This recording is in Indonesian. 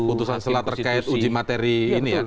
putusan sela terkait uji materi ini ya